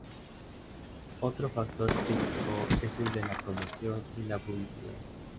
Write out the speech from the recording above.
Otro factor crítico es el de la promoción y la publicidad.